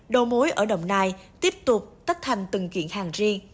đồ mối ở đồng nai tiếp tục tắt thành từng chuyện hàng riêng